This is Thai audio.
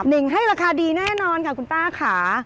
่งให้ราคาดีแน่นอนค่ะคุณป้าค่ะ